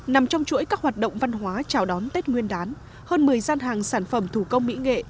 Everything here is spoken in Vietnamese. nằm trong chuỗi các hoạt động văn hóa chào đón tết nguyên đán hơn một mươi gian hàng sản phẩm thủ công mỹ nghệ